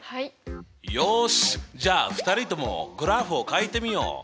よしじゃあ２人ともグラフをかいてみよう！